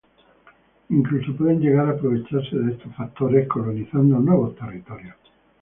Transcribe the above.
Incluso, pueden llegar a aprovecharse de estos factores, colonizando nuevos territorios.